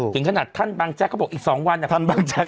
ถึงขนาดท่านบางแจ๊กก็บอกอีก๒วันท่านบางแจ๊ก